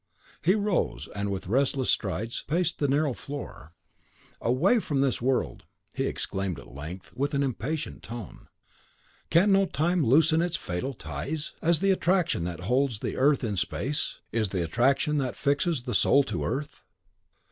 He rose, and with restless strides paced the narrow floor. "Away from this world!" he exclaimed at length, with an impatient tone. "Can no time loosen its fatal ties? As the attraction that holds the earth in space, is the attraction that fixes the soul to earth.